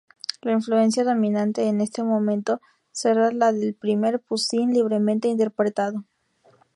La influencia dominante en este momento será la del primer Poussin, libremente interpretado.